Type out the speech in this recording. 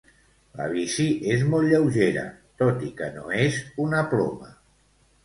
La bici és molt lleugera tot i que no és una ploma.